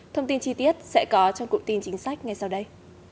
thông tin chi tiết sẽ có trong cụm tin chính sách ngay sau đây